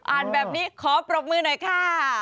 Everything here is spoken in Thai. อ่านแบบนี้ขอปรบมือหน่อยค่ะ